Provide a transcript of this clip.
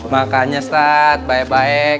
makanya sat baik baik